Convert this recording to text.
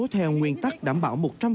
theo nguyên tắc đảm bảo một trăm linh